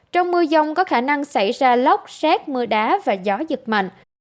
trong mưa dông có khả năng xảy ra lốc xét mưa đá và gió giật mạnh